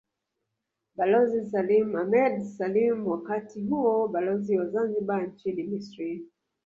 Balozi Salim Ahmed Salim wakati huo Balozi wa Zanzibar nchini Misri